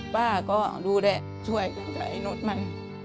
ป้าก็ดูแลช่วยกันกับไอ้นุษย์มัน